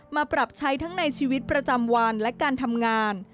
ปรับใช้ทั้งในชีวิตประจำวันและการทำงาน